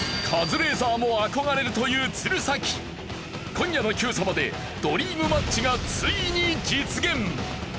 今夜の『Ｑさま！！』でドリームマッチがついに実現！